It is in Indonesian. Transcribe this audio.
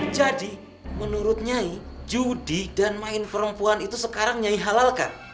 jadi menurut nyai judi dan main perempuan itu sekarang nyai halalkan